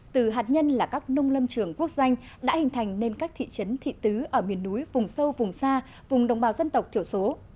từ hạt nhân là các nông lâm trường quốc doanh đã hình thành nên các thị trấn thị tứ ở miền núi vùng sâu vùng xa vùng đồng bào dân tộc thiểu số